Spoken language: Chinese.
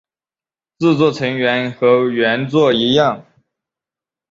制作成员和原作一样。